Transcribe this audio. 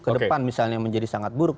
ke depan misalnya menjadi sangat buruk